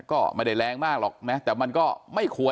ก็ไม่ได้แรงมากหรอกนะแต่มันก็ไม่ควร